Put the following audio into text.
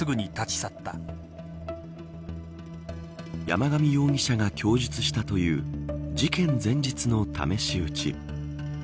山上容疑者が供述したという事件前日の試し撃ち。